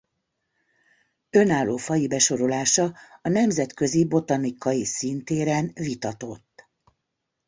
Önálló faji besorolása a nemzetközi botanikai színtéren vitatott.